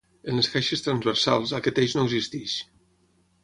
En les caixes transversals aquest eix no existeix.